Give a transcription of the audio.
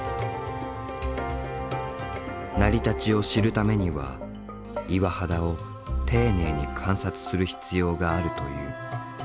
成り立ちを知るためには岩肌を丁寧に観察する必要があるという。